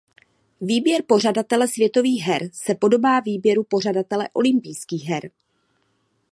Výběr pořadatele Světových her se podobá výběru pořadatele olympijských her.